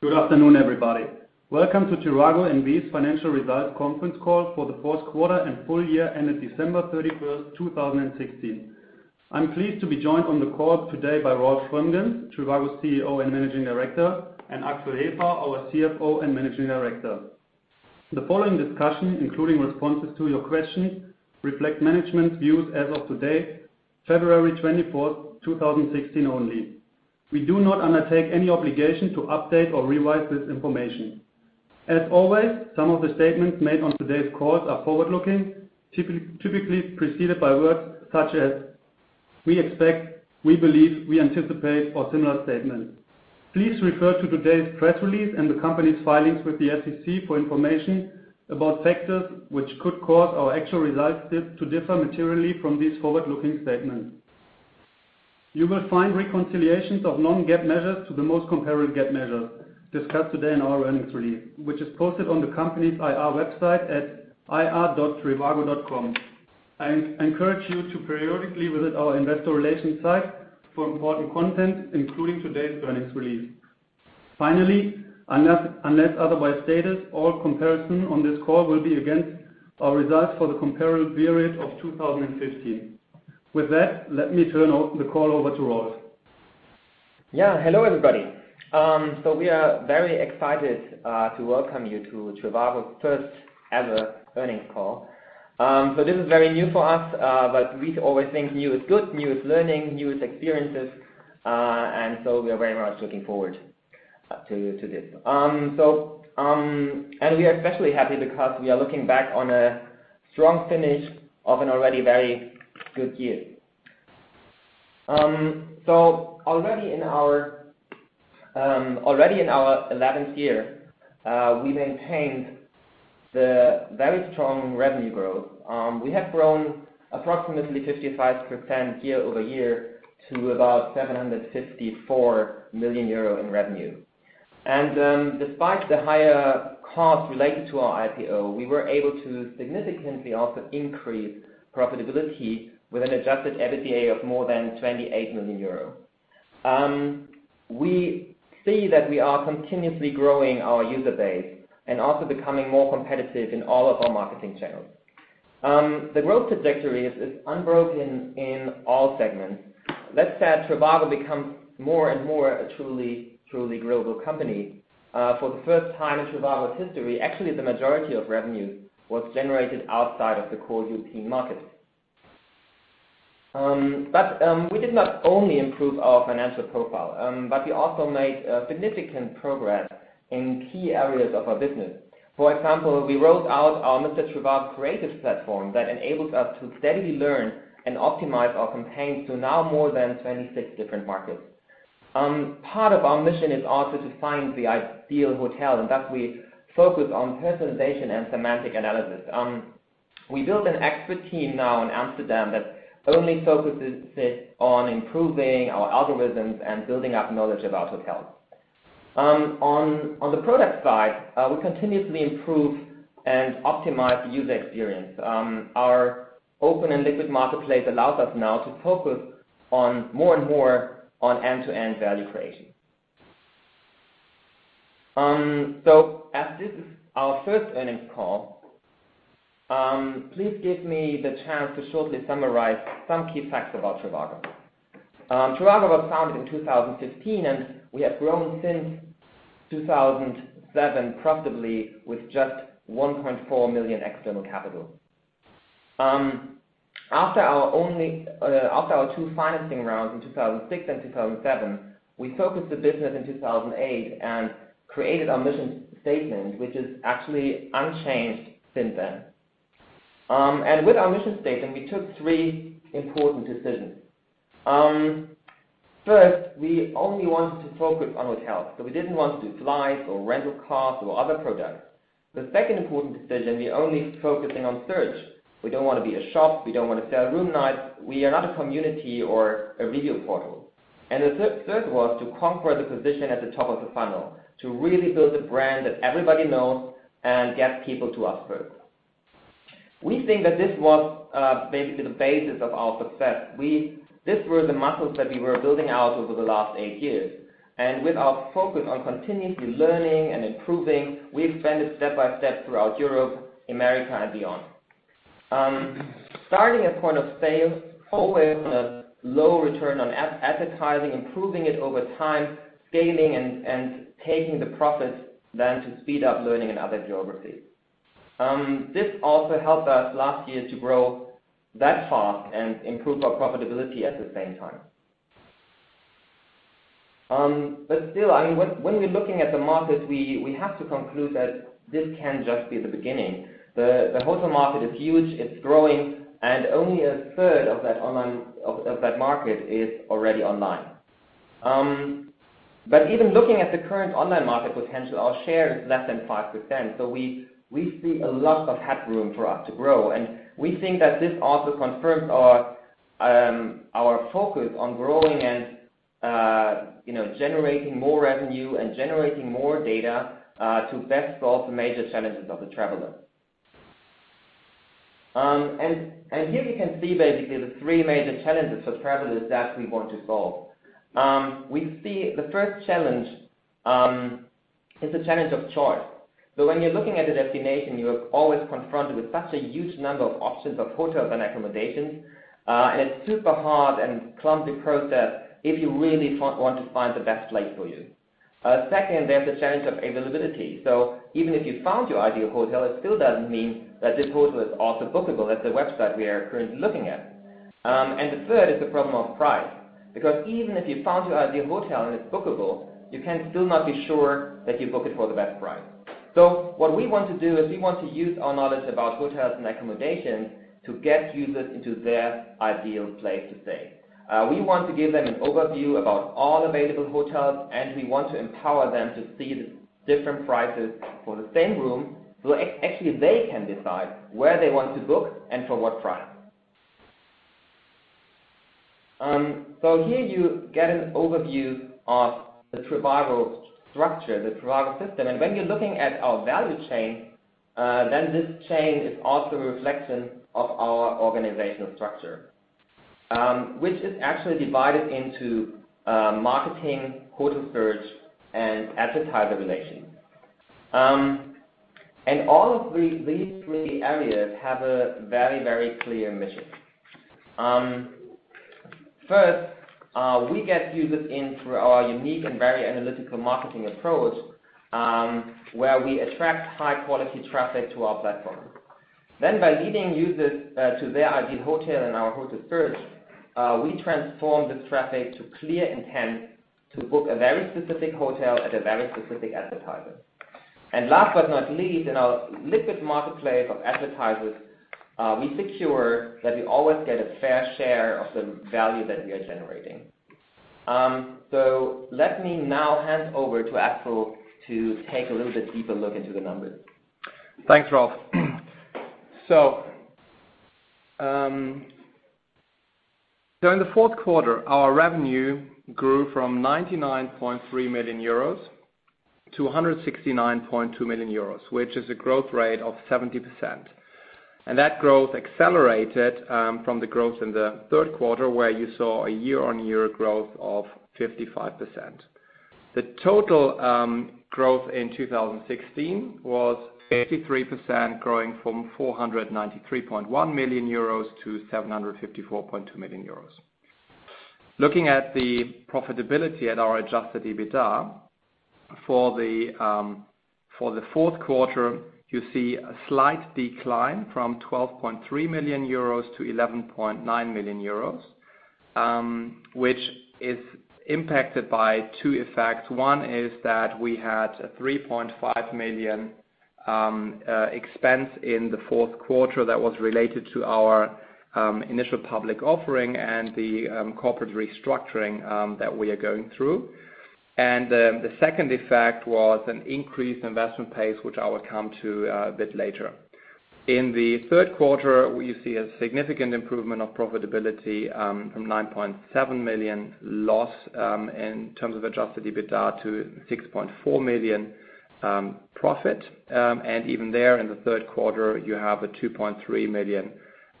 Good afternoon, everybody. Welcome to trivago NV's financial results conference call for the fourth quarter and full year ended December 31st, 2016. I am pleased to be joined on the call today by Rolf Schrömgens, trivago's CEO and Managing Director, and Axel Hefer, our CFO and Managing Director. The following discussion, including responses to your questions, reflect management's views as of today, February 24th, 2016 only. We do not undertake any obligation to update or revise this information. As always, some of the statements made on today's call are forward-looking, typically preceded by words such as "we expect," "we believe," "we anticipate," or similar statements. Please refer to today's press release and the company's filings with the SEC for information about factors which could cause our actual results to differ materially from these forward-looking statements. You will find reconciliations of non-GAAP measures to the most comparable GAAP measures discussed today in our earnings release, which is posted on the company's IR website at ir.trivago.com. I encourage you to periodically visit our investor relations site for important content, including today's earnings release. Finally, unless otherwise stated, all comparison on this call will be against our results for the comparable period of 2015. With that, let me turn the call over to Rolf. Yeah. We are very excited to welcome you to trivago's first ever earnings call. This is very new for us, but we always think new is good, new is learning, new is experiences, and we are very much looking forward to this. We are especially happy because we are looking back on a strong finish of an already very good year. Already in our 11th year, we maintained the very strong revenue growth. We have grown approximately 55% year-over-year to about 754 million euro in revenue. Despite the higher costs related to our IPO, we were able to significantly also increase profitability with an Adjusted EBITDA of more than 28 million euros. We see that we are continuously growing our user base and also becoming more competitive in all of our marketing channels. The growth trajectory is unbroken in all segments. Let's say trivago becomes more and more a truly global company. For the first time in trivago's history, actually, the majority of revenue was generated outside of the core EU market. We did not only improve our financial profile, but we also made significant progress in key areas of our business. For example, we rolled out our Mr. trivago creative platform that enables us to steadily learn and optimize our campaigns to now more than 26 different markets. Part of our mission is also to find the ideal hotel, and thus we focus on personalization and semantic analysis. We built an expert team now in Amsterdam that only focuses it on improving our algorithms and building up knowledge about hotels. On the product side, we continuously improve and optimize the user experience. Our open and liquid marketplace allows us now to focus more and more on end-to-end value creation. As this is our first earnings call, please give me the chance to shortly summarize some key facts about trivago. trivago was founded in 2015, and we have grown since 2007 profitably with just 1.4 million external capital. After our two financing rounds in 2006 and 2007, we focused the business in 2008 and created our mission statement, which is actually unchanged since then. With our mission statement, we took three important decisions. First, we only wanted to focus on hotels, so we didn't want to do flights or rental cars or other products. The second important decision, we're only focusing on search. We don't want to be a shop. We don't want to sell room nights. We are not a community or a video portal. The third was to conquer the position at the top of the funnel, to really build a brand that everybody knows and get people to us first. We think that this was basically the basis of our success. These were the muscles that we were building out over the last eight years. With our focus on continuously learning and improving, we expanded step by step throughout Europe, America, and beyond. Starting at point of sale, always with a low return on advertising, improving it over time, scaling and taking the profits then to speed up learning in other geographies. This also helped us last year to grow that fast and improve our profitability at the same time. Still, when we're looking at the market, we have to conclude that this can just be the beginning. The hotel market is huge, it's growing, and only a third of that market is already online. Even looking at the current online market potential, our share is less than 5%, so we see a lot of headroom for us to grow, and we think that this also confirms our focus on growing and generating more revenue and generating more data to best solve the major challenges of the traveler. Here you can see basically the three major challenges for travelers that we want to solve. We see the first challenge is the challenge of choice. When you're looking at a destination, you are always confronted with such a huge number of options of hotels and accommodations. It's super hard and clumsy process if you really want to find the best place for you. Second, there's the challenge of availability. Even if you found your ideal hotel, it still doesn't mean that this hotel is also bookable at the website we are currently looking at. The third is the problem of price, because even if you found your ideal hotel and it's bookable, you can still not be sure that you book it for the best price. What we want to do is we want to use our knowledge about hotels and accommodations to get users into their ideal place to stay. We want to give them an overview about all available hotels, and we want to empower them to see the different prices for the same room. Actually, they can decide where they want to book and for what price. Here you get an overview of the trivago structure, the trivago system. When you're looking at our value chain, this chain is also a reflection of our organizational structure, which is actually divided into marketing, hotel search, and advertiser relation. All of these three areas have a very clear mission. First, we get users in through our unique and very analytical marketing approach, where we attract high-quality traffic to our platform. By leading users to their ideal hotel and our hotel search, we transform this traffic to clear intent to book a very specific hotel at a very specific advertiser. Last but not least, in our liquid marketplace of advertisers, we secure that we always get a fair share of the value that we are generating. Let me now hand over to Axel to take a little bit deeper look into the numbers. Thanks, Rolf. During the fourth quarter, our revenue grew from 99.3 million euros to 169.2 million euros, which is a growth rate of 70%. That growth accelerated from the growth in the third quarter, where you saw a year-on-year growth of 55%. The total growth in 2016 was 83%, growing from 493.1 million euros to 754.2 million euros. Looking at the profitability at our Adjusted EBITDA for the fourth quarter, you see a slight decline from 12.3 million euros to 11.9 million euros, which is impacted by two effects. One is that we had a 3.5 million expense in the fourth quarter that was related to our initial public offering and the corporate restructuring that we are going through. The second effect was an increased investment pace, which I will come to a bit later. In the third quarter, we see a significant improvement of profitability from 9.7 million loss in terms of Adjusted EBITDA to 6.4 million profit. Even there, in the third quarter, you have a 2.3 million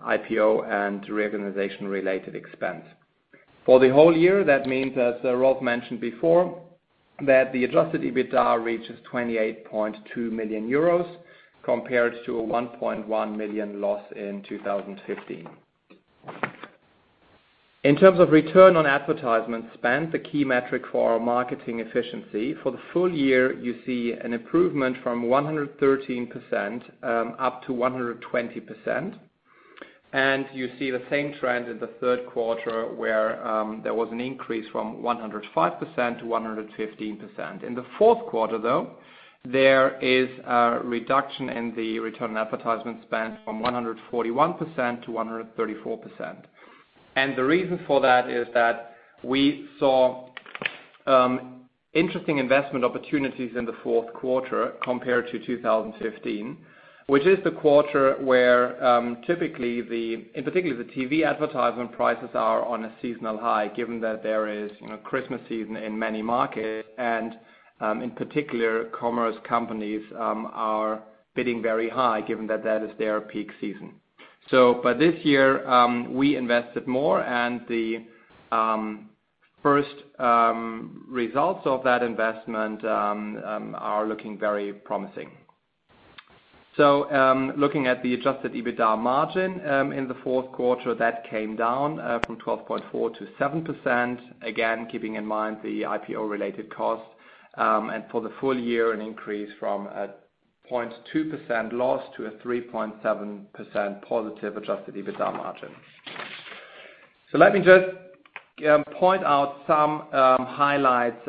IPO and reorganization-related expense. For the whole year, that means that, as Rolf mentioned before, the Adjusted EBITDA reaches 28.2 million euros compared to a 1.1 million loss in 2015. In terms of Return on Advertisement Spend, the key metric for our marketing efficiency, for the full year, you see an improvement from 113% up to 120%. You see the same trend in the third quarter where there was an increase from 105% to 115%. In the fourth quarter, though, there is a reduction in the Return on Advertisement Spend from 141% to 134%. The reason for that is that we saw interesting investment opportunities in the fourth quarter compared to 2015, which is the quarter where in particular the TV advertisement prices are on a seasonal high, given that there is Christmas season in many markets, and in particular, commerce companies are bidding very high given that that is their peak season. But this year, we invested more and the first results of that investment are looking very promising. Looking at the Adjusted EBITDA margin in the fourth quarter, that came down from 12.4% to 7%. Again, keeping in mind the IPO-related cost, and for the full year, an increase from a 0.2% loss to a 3.7% positive Adjusted EBITDA margin. Let me just point out some highlights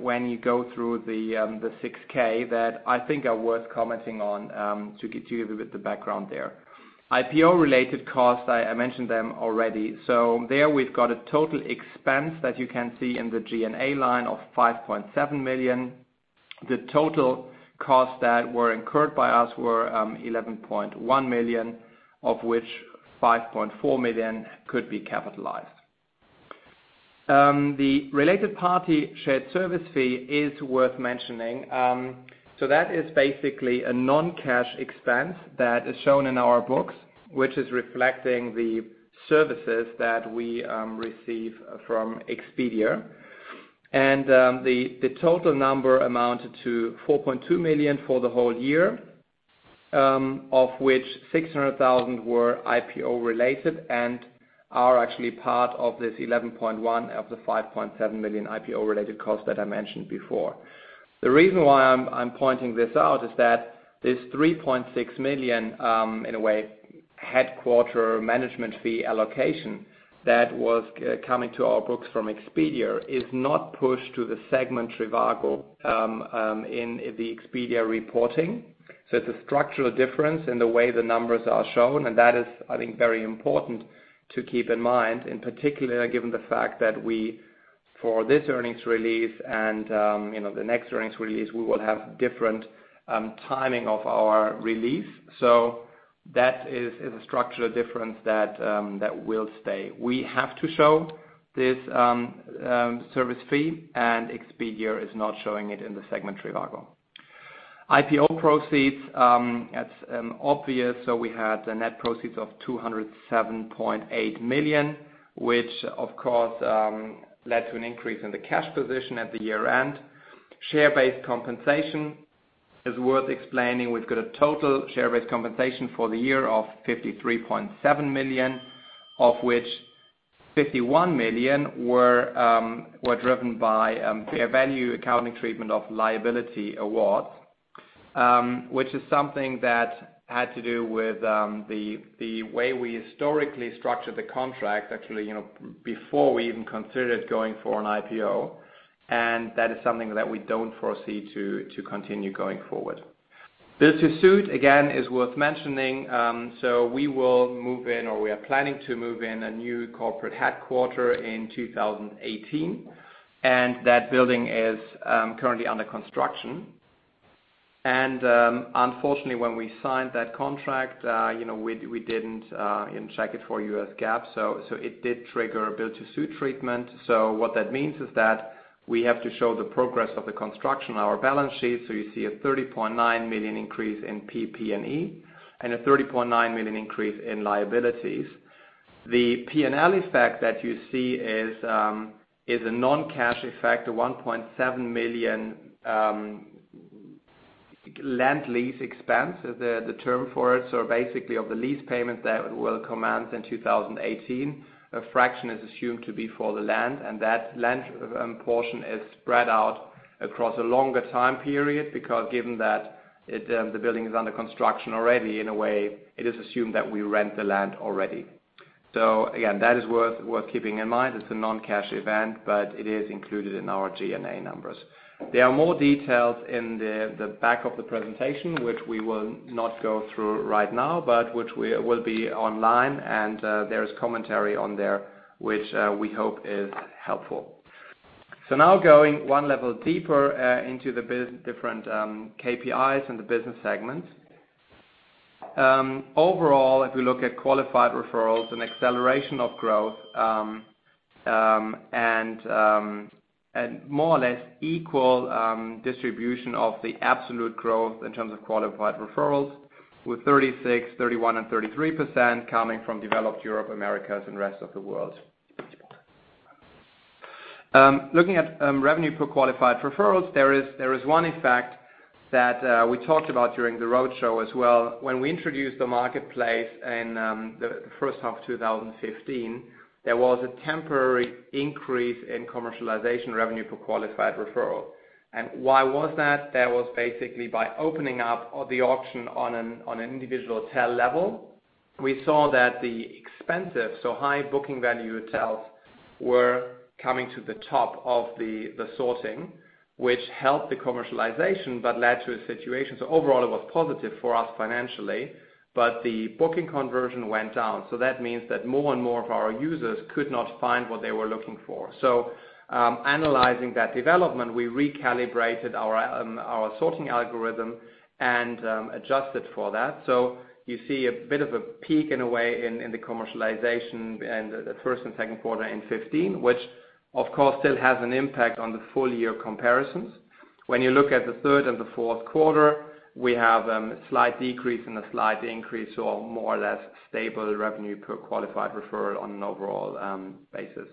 when you go through the 6-K that I think are worth commenting on to give you a bit of background there. IPO-related costs, I mentioned them already. There we've got a total expense that you can see in the G&A line of 5.7 million. The total costs that were incurred by us were 11.1 million, of which 5.4 million could be capitalized. The related party share service fee is worth mentioning. That is basically a non-cash expense that is shown in our books, which is reflecting the services that we receive from Expedia. The total number amounted to 4.2 million for the whole year, of which 600,000 were IPO-related and are actually part of this 11.1 of the 5.7 million IPO-related cost that I mentioned before. The reason why I'm pointing this out is that this 3.6 million, in a way, headquarter management fee allocation that was coming to our books from Expedia is not pushed to the segment trivago in the Expedia reporting. It's a structural difference in the way the numbers are shown, and that is, I think, very important to keep in mind, and particularly given the fact that we, for this earnings release and the next earnings release, we will have different timing of our release. That is a structural difference that will stay. We have to show this service fee, and Expedia is not showing it in the segment trivago. IPO proceeds, it's obvious. We had a net proceeds of 207.8 million, which of course led to an increase in the cash position at the year-end. Share-based compensation is worth explaining. We've got a total share-based compensation for the year of 53.7 million, of which 51 million were driven by fair value accounting treatment of liability awards, which is something that had to do with the way we historically structured the contract, actually, before we even considered going for an IPO. That is something that we don't foresee to continue going forward. Build-to-suit, again, is worth mentioning. We will move in, or we are planning to move in a new corporate headquarter in 2018, and that building is currently under construction. Unfortunately, when we signed that contract, we didn't check it for U.S. GAAP, so it did trigger a build-to-suit treatment. What that means is that we have to show the progress of the construction on our balance sheet. You see a 30.9 million increase in PP&E and a 30.9 million increase in liabilities. The P&L effect that you see is a non-cash effect of 1.7 million land lease expense, the term for it. Basically, of the lease payment that will commence in 2018, a fraction is assumed to be for the land, and that land portion is spread out across a longer time period because given that the building is under construction already, in a way, it is assumed that we rent the land already. Again, that is worth keeping in mind. It's a non-cash event, but it is included in our G&A numbers. There are more details in the back of the presentation, which we will not go through right now, but which will be online. There is commentary on there, which we hope is helpful. Now going one level deeper into the different KPIs in the business segments. Overall, if we look at qualified referrals, an acceleration of growth, and more or less equal distribution of the absolute growth in terms of qualified referrals with 36%, 31%, and 33% coming from developed Europe, Americas, and rest of the world. Looking at Revenue per Qualified Referral, there is one effect that we talked about during the roadshow as well. When we introduced the marketplace in the first half of 2015, there was a temporary increase in commercialization Revenue per Qualified Referral. Why was that? That was basically by opening up the auction on an individual hotel level, we saw that the expensive, so high booking value hotels were coming to the top of the sorting, which helped the commercialization but led to a situation. Overall, it was positive for us financially, but the booking conversion went down. That means that more and more of our users could not find what they were looking for. Analyzing that development, we recalibrated our sorting algorithm and adjusted for that. You see a bit of a peak in a way in the commercialization and the first and second quarter in 2015, which of course still has an impact on the full year comparisons. When you look at the third and the fourth quarter, we have a slight decrease and a slight increase, a more or less stable Revenue per Qualified Referral on an overall basis.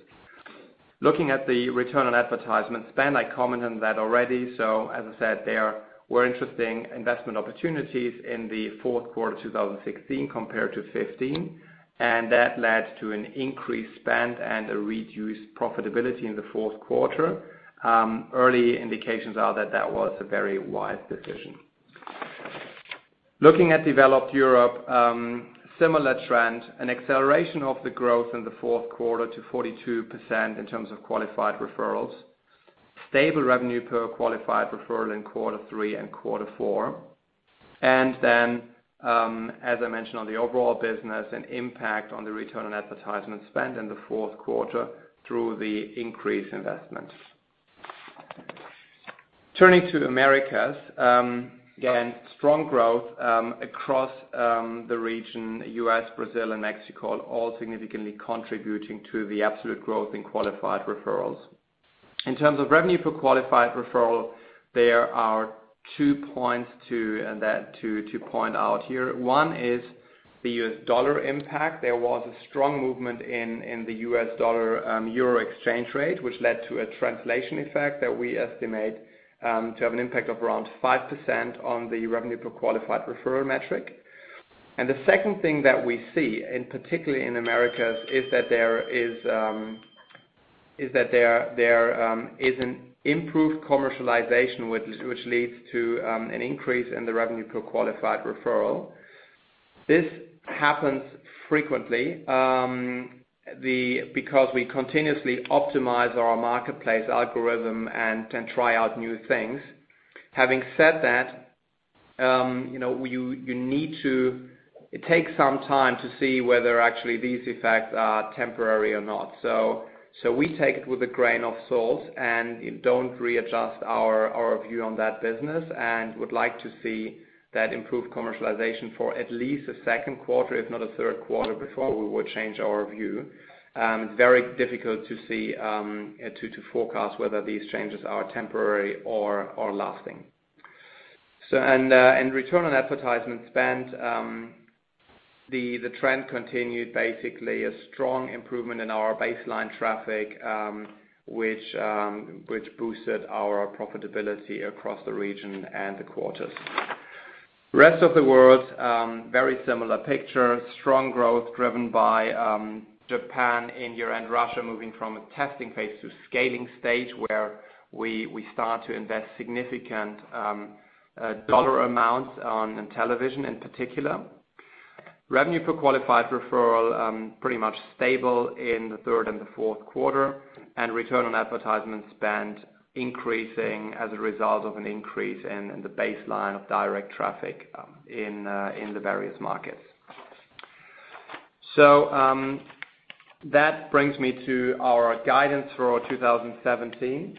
Looking at the Return on Advertising Spend, I commented on that already. As I said, there were interesting investment opportunities in the fourth quarter 2016 compared to 2015, and that led to an increased spend and a reduced profitability in the fourth quarter. Early indications are that that was a very wise decision. Looking at developed Europe, similar trend, an acceleration of the growth in the fourth quarter to 42% in terms of qualified referrals. Stable Revenue per Qualified Referral in quarter three and quarter four. As I mentioned on the overall business, an impact on the Return on Advertising Spend in the fourth quarter through the increased investments. Turning to Americas. Again, strong growth across the region, U.S., Brazil, and Mexico all significantly contributing to the absolute growth in qualified referrals. In terms of Revenue per Qualified Referral, there are two points to point out here. One is the U.S. dollar impact. There was a strong movement in the U.S. dollar/EUR exchange rate, which led to a translation effect that we estimate to have an impact of around 5% on the Revenue per Qualified Referral metric. The second thing that we see, and particularly in Americas, is that there is an improved commercialization, which leads to an increase in the Revenue per Qualified Referral. This happens frequently, because we continuously optimize our marketplace algorithm and try out new things. Having said that, it takes some time to see whether actually these effects are temporary or not. We take it with a grain of salt and don't readjust our view on that business, and would like to see that improved commercialization for at least a second quarter, if not a third quarter, before we would change our view. It's very difficult to forecast whether these changes are temporary or lasting. Return on Advertising Spend, the trend continued, basically a strong improvement in our baseline traffic, which boosted our profitability across the region and the quarters. Rest of the world, very similar picture. Strong growth driven by Japan, India, and Russia moving from a testing phase to scaling stage, where we start to invest significant EUR amounts on television, in particular. Revenue per Qualified Referral, pretty much stable in the third and the fourth quarter, and Return on Advertisement Spend increasing as a result of an increase in the baseline of direct traffic in the various markets. That brings me to our guidance for our 2017.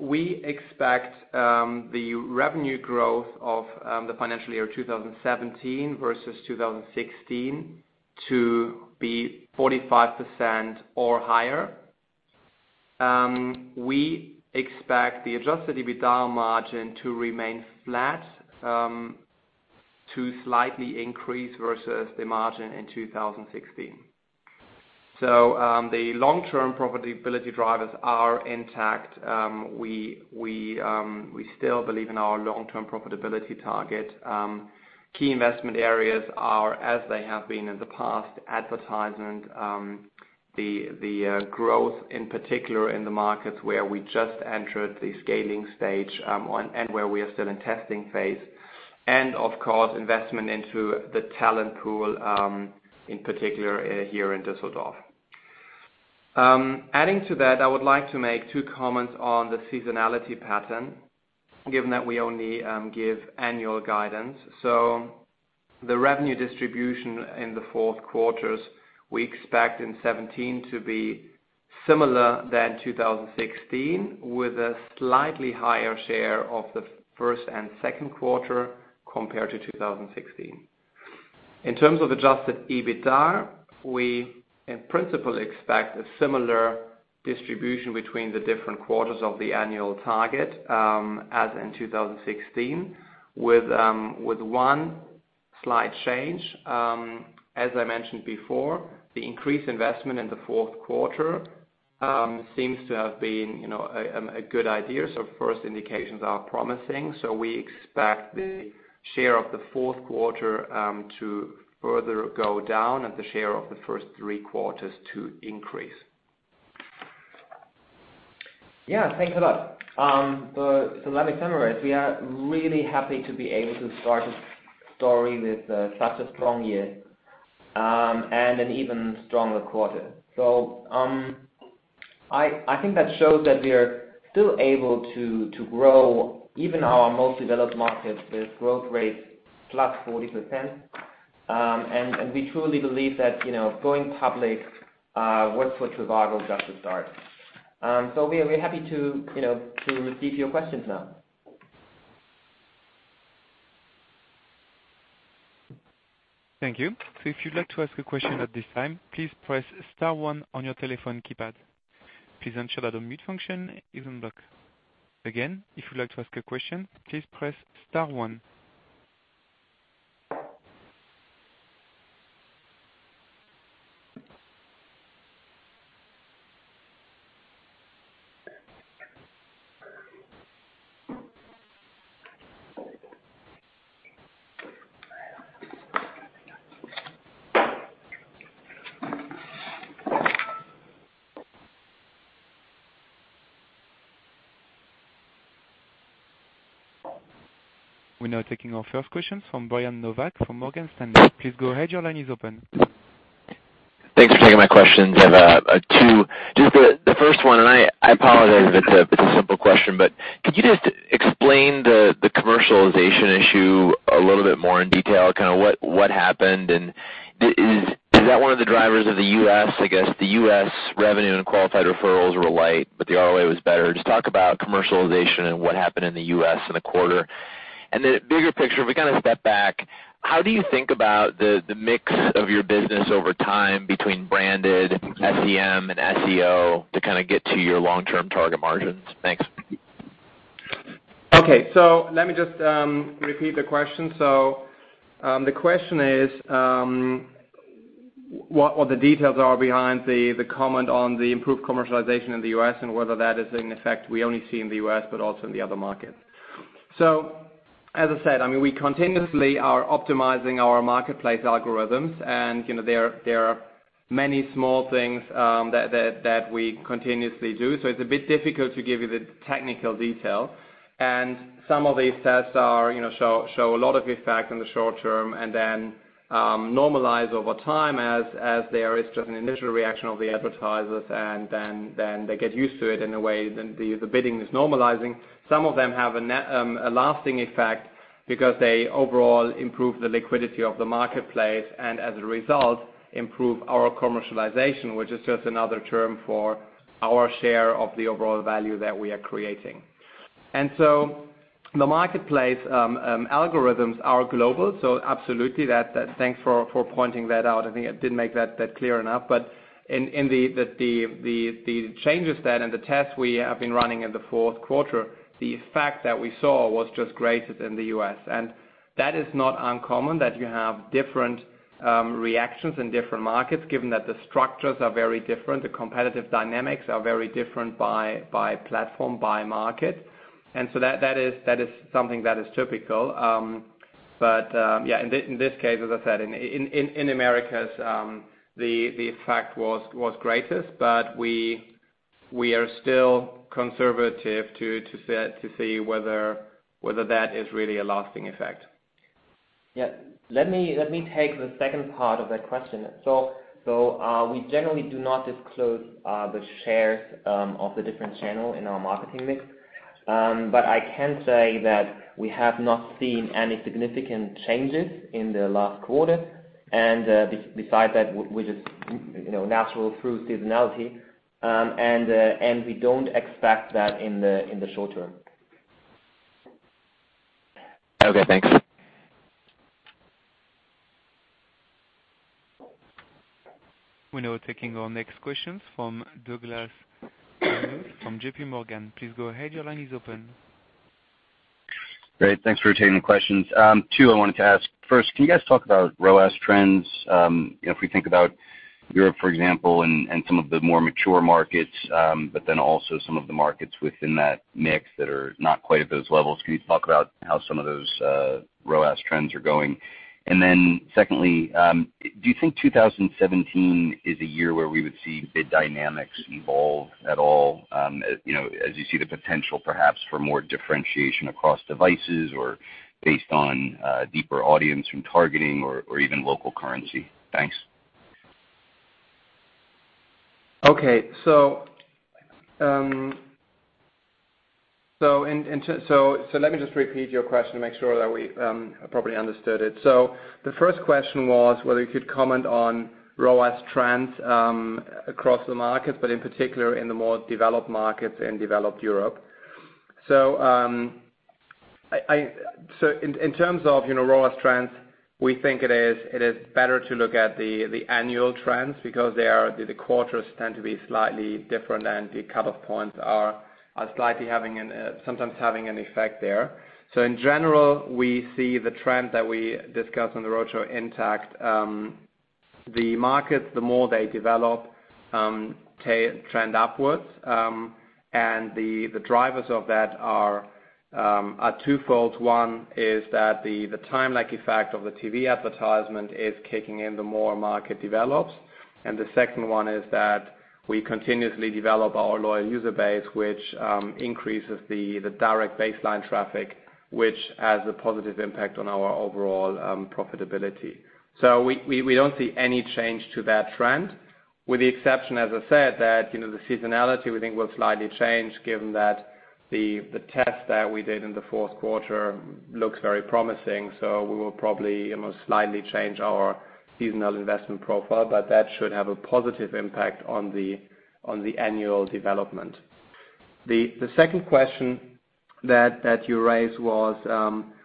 We expect the revenue growth of the financial year 2017 versus 2016 to be 45% or higher. We expect the Adjusted EBITDA margin to remain flat, to slightly increase versus the margin in 2016. The long-term profitability drivers are intact. We still believe in our long-term profitability target. Key investment areas are, as they have been in the past, advertisement, the growth in particular in the markets where we just entered the scaling stage and where we are still in testing phase. Of course, investment into the talent pool, in particular here in Düsseldorf. Adding to that, I would like to make two comments on the seasonality pattern, given that we only give annual guidance. The revenue distribution in the fourth quarters, we expect in 2017 to be similar than 2016, with a slightly higher share of the first and second quarter compared to 2016. In terms of Adjusted EBITDA, we, in principle, expect a similar distribution between the different quarters of the annual target as in 2016, with one slight change. As I mentioned before, the increased investment in the fourth quarter seems to have been a good idea. First indications are promising. We expect the share of the fourth quarter to further go down and the share of the first three quarters to increase. Yeah, thanks a lot. Let me summarize. We are really happy to be able to start a story with such a strong year, and an even stronger quarter. I think that shows that we are still able to grow even our most developed markets with growth rates plus 40%. We truly believe that going public was for trivago just a start. We are happy to receive your questions now. Thank you. If you'd like to ask a question at this time, please press star 1 on your telephone keypad. Please ensure that the mute function is unblocked. Again, if you'd like to ask a question, please press star 1. We're now taking our first question from Brian Nowak from Morgan Stanley. Please go ahead. Your line is open. Thanks for taking my questions. I have two. The first one, I apologize if it's a simple question, Could you just explain the commercialization issue a little bit more in detail, what happened, and is that one of the drivers of the U.S.? I guess the U.S. revenue and qualified referrals were light, but the ROAS was better. Just talk about commercialization and what happened in the U.S. in the quarter. Then bigger picture, if we step back, how do you think about the mix of your business over time between branded SEM and SEO to get to your long-term target margins? Thanks. Let me just repeat the question. The question is, what the details are behind the comment on the improved commercialization in the U.S. and whether that is in effect, we only see in the U.S., but also in the other markets. As I said, we continuously are optimizing our marketplace algorithms, there are many small things that we continuously do. It's a bit difficult to give you the technical detail. Some of these tests show a lot of effect in the short term and then normalize over time as there is just an initial reaction of the advertisers and then they get used to it in a way, then the bidding is normalizing. Some of them have a lasting effect because they overall improve the liquidity of the marketplace, as a result, improve our commercialization, which is just another term for our share of the overall value that we are creating. The marketplace algorithms are global. Absolutely, thanks for pointing that out. I think I didn't make that clear enough, in the changes there and the tests we have been running in the fourth quarter, the effect that we saw was just greater than the U.S. That is not uncommon that you have different reactions in different markets, given that the structures are very different, the competitive dynamics are very different by platform, by market. That is something that is typical. Yeah, in this case, as I said, in Americas, the effect was greatest, but we are still conservative to see whether that is really a lasting effect. Yeah. Let me take the second part of that question. We generally do not disclose the shares of the different channel in our marketing mix. I can say that we have not seen any significant changes in the last quarter. Besides that, we just natural through seasonality, and we don't expect that in the short term. Okay, thanks. We're now taking our next questions from Douglas Anmuth from JPMorgan. Please go ahead. Your line is open. Great. Thanks for taking the questions. Two, I wanted to ask. First, can you guys talk about ROAS trends? If we think about Europe, for example, and some of the more mature markets, also some of the markets within that mix that are not quite at those levels. Can you talk about how some of those ROAS trends are going? Secondly, do you think 2017 is a year where we would see bid dynamics evolve at all, as you see the potential perhaps for more differentiation across devices or based on deeper audience from targeting or even local currency? Thanks. Okay. Let me just repeat your question to make sure that we properly understood it. The first question was whether you could comment on ROAS trends across the markets, but in particular in the more developed markets in developed Europe. In terms of ROAS trends, we think it is better to look at the annual trends because the quarters tend to be slightly different and the cutoff points are slightly sometimes having an effect there. In general, we see the trend that we discussed on the roadshow intact. The markets, the more they develop, trend upwards. The drivers of that are twofold. One is that the time lag effect of the TV advertisement is kicking in the more a market develops. The second one is that we continuously develop our loyal user base, which increases the direct baseline traffic, which has a positive impact on our overall profitability. We don't see any change to that trend. With the exception, as I said, that the seasonality we think will slightly change given that the test that we did in the fourth quarter looks very promising. We will probably almost slightly change our seasonal investment profile, but that should have a positive impact on the annual development. The second question that you raised was,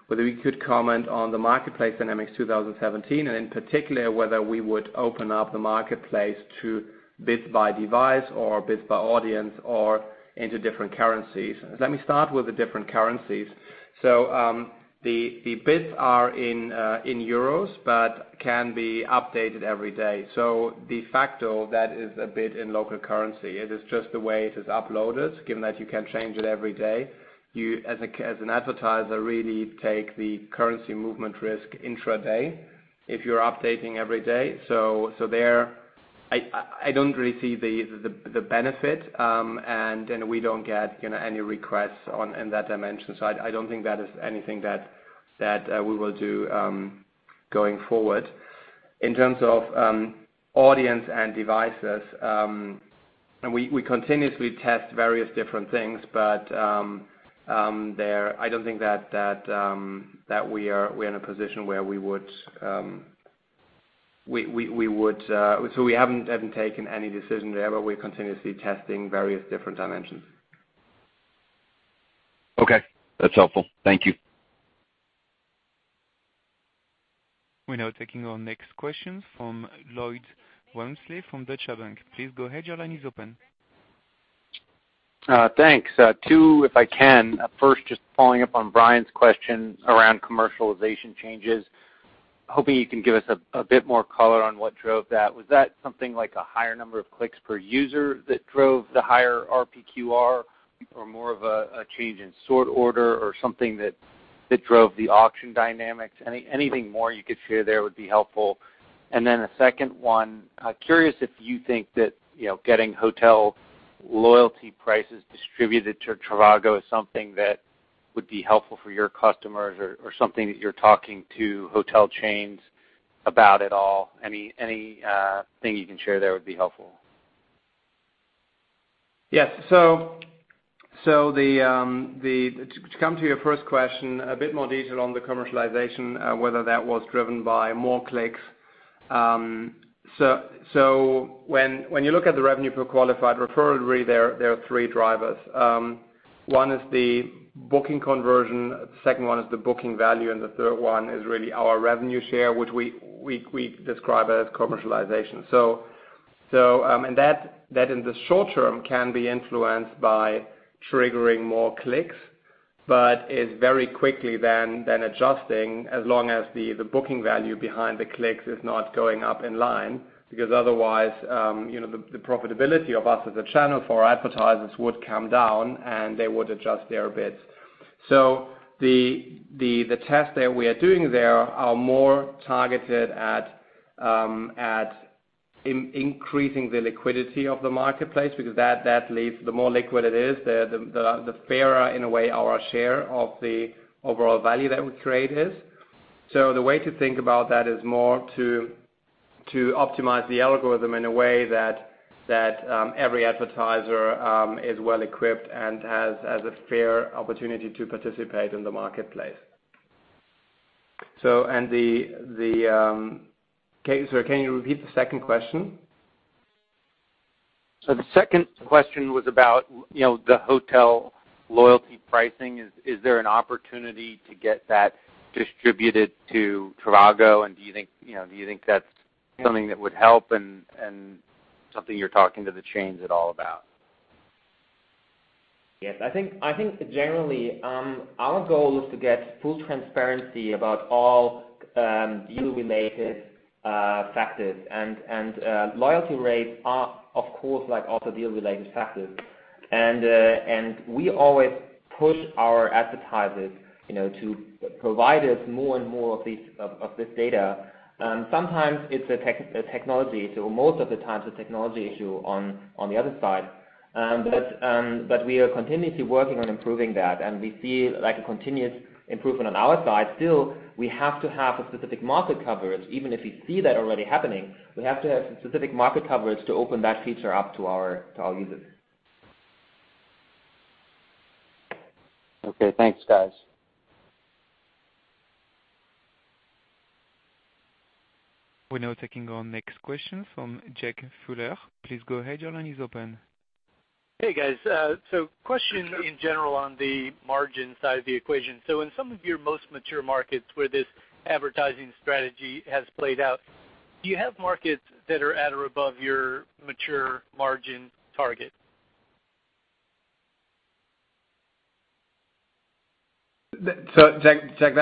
whether we could comment on the marketplace dynamics 2017, and in particular, whether we would open up the marketplace to bids by device or bids by audience or into different currencies. Let me start with the different currencies. The bids are in euros, but can be updated every day. De facto, that is a bid in local currency. It is just the way it is uploaded, given that you can change it every day. You, as an advertiser, really take the currency movement risk intra day if you're updating every day. There, I don't really see the benefit, and we don't get any requests in that dimension. I don't think that is anything that we will do going forward. In terms of audience and devices, we continuously test various different things, but I don't think that we are in a position. We haven't taken any decision there, but we're continuously testing various different dimensions. Okay. That's helpful. Thank you. We're now taking our next question from Lloyd Walmsley from Deutsche Bank. Please go ahead. Your line is open. Thanks. Two, if I can. First, just following up on Brian's question around commercialization changes. Hoping you can give us a bit more color on what drove that. Was that something like a higher number of clicks per user that drove the higher RPQR, or more of a change in sort order or something that drove the auction dynamics? Anything more you could share there would be helpful. Then a second one. Curious if you think that getting hotel loyalty prices distributed to trivago is something that would be helpful for your customers or something that you're talking to hotel chains about at all. Anything you can share there would be helpful. Yes. To come to your first question, a bit more detail on the commercialization, whether that was driven by more clicks. When you look at the Revenue per Qualified Referral, really there are three drivers. One is the booking conversion, second one is the booking value, and the third one is really our revenue share, which we describe as commercialization. That in the short term can be influenced by triggering more clicks, but is very quickly then adjusting as long as the booking value behind the clicks is not going up in line. Otherwise, the profitability of us as a channel for advertisers would come down, and they would adjust their bids. The test that we are doing there are more targeted at increasing the liquidity of the marketplace, because the more liquid it is, the fairer in a way our share of the overall value that we create is. The way to think about that is more to optimize the algorithm in a way that every advertiser is well-equipped and has a fair opportunity to participate in the marketplace. Can you repeat the second question? The second question was about the hotel loyalty pricing. Is there an opportunity to get that distributed to trivago, and do you think that's something that would help and something you're talking to the chains at all about? Yes. I think generally, our goal is to get full transparency about all deal-related factors, loyalty rates are of course also deal-related factors. We always push our advertisers to provide us more and more of this data. Sometimes it's a technology, most of the times a technology issue on the other side. We are continuously working on improving that, and we see a continuous improvement on our side. Still, we have to have a specific market coverage. Even if we see that already happening, we have to have specific market coverage to open that feature up to all users. Okay, thanks guys. We're now taking our next question from Jake Fuller. Please go ahead. Your line is open. Hey, guys. Question in general on the margin side of the equation. In some of your most mature markets where this advertising strategy has played out, do you have markets that are at or above your mature margin target? Jack,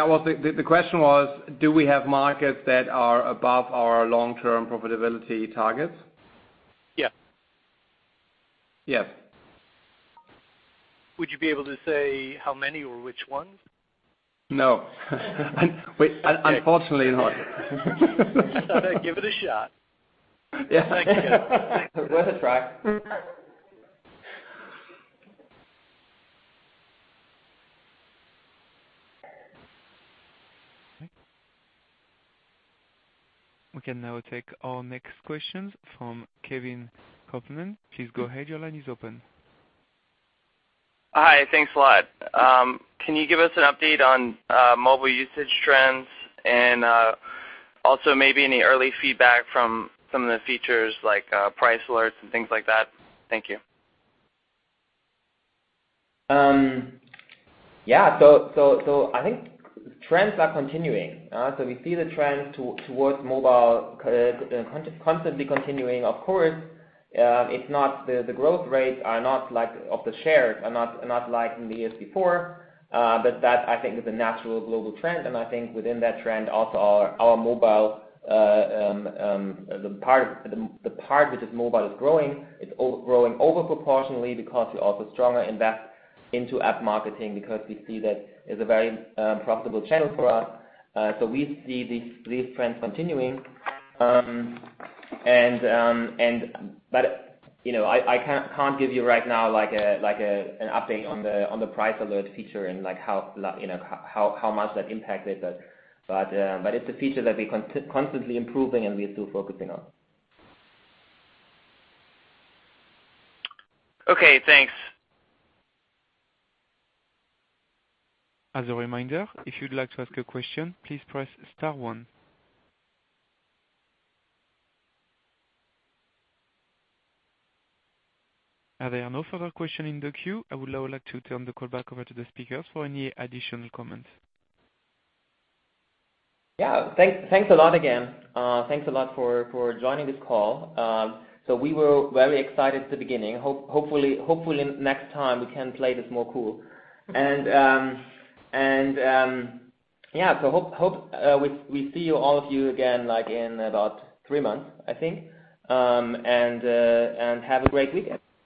the question was, do we have markets that are above our long-term profitability targets? Yes. Yes. Would you be able to say how many or which ones? No. Unfortunately not. Thought I'd give it a shot. Yeah. Thank you. Worth a try. We can now take our next question from Kevin Kopelman. Please go ahead, your line is open. Hi. Thanks a lot. Can you give us an update on mobile usage trends and also maybe any early feedback from some of the features like price alerts and things like that? Thank you. Yeah. I think trends are continuing. We see the trends towards mobile constantly continuing. Of course, the growth rates of the shares are not like in the years before. That I think is a natural global trend, and I think within that trend also our mobile, the part which is mobile is growing, it's growing over proportionally because we also stronger invest into app marketing because we see that is a very profitable channel for us. We see these trends continuing. I can't give you right now an update on the price alert feature and how much that impacted us. It's a feature that we constantly improving and we're still focusing on. Okay, thanks. As a reminder, if you'd like to ask a question, please press star one. As there are no further questions in the queue, I would now like to turn the call back over to the speakers for any additional comments. Yeah. Thanks a lot again. Thanks a lot for joining this call. We were very excited at the beginning. Hopefully next time we can play this more cool. Yeah. Hope we see all of you again like in about three months, I think. Have a great weekend.